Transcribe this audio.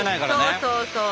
そうそうそう。